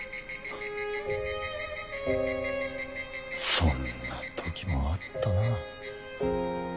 そんな時もあったな。